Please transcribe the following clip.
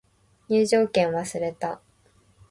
入場券忘れた